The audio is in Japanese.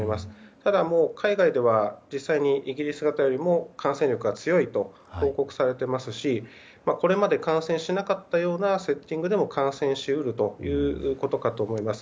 ただ、海外では実際にイギリス型よりも感染力が強いと報告されていますしこれまで感染しなかったようなセッティングでも感染し得るということかと思います。